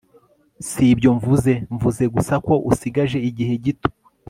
si ibyo mvuze. mvuze gusa ko usigaje igihe gito